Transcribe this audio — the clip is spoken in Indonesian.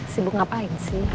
sibuk ngapain sih